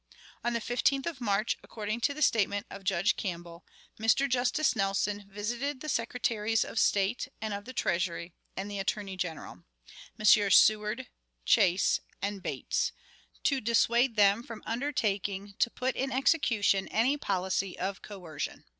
On the 15th of March, according to the statement of Judge Campbell, Mr. Justice Nelson visited the Secretaries of State and of the Treasury and the Attorney General (Messrs. Seward, Chase, and Bates), to dissuade them from undertaking to put in execution any policy of coercion.